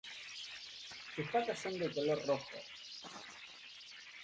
Sus patas son de color rojo.